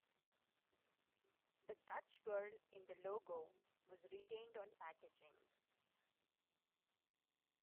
The "Dutch girl" in the logo was retained on packaging.